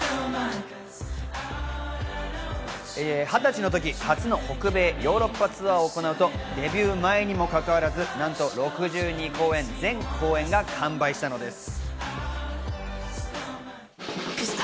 ２０歳のとき、初の北米ヨーロッパツアーを行うと、デビュー前にもかかわらず、なんと６２公演、全公演が完売したのです。